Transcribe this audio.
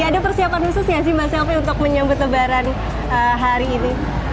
ada persiapan khusus nggak sih mas selvi untuk menyambut lebaran hari ini